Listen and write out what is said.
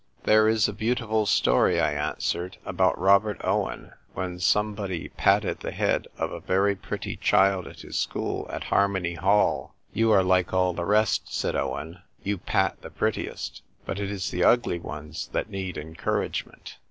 " There is a beautiful story," I answered, " about Robert Owen, when somebody patted the head of a very pretty child at his school at Harmony Hall. ' You are like all the rest,' said Owen; 'you pat the prettiest. But it is the ugly ones that need encouragement.'